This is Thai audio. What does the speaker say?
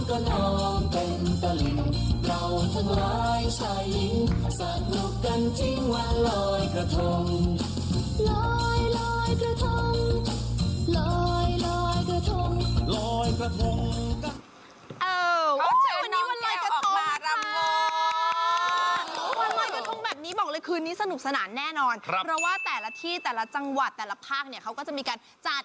อ้าายไปขโมยของเขามา